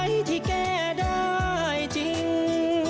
ที่แก้ได้จริง